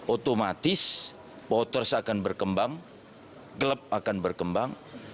otomatis voters akan berkembang klub akan berkembang